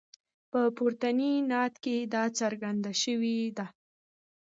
په پورتني نعت کې دا څرګنده شوې ده.